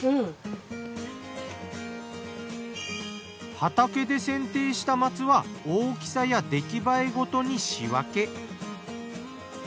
畑で剪定した松は大きさや出来栄えごとに仕分け。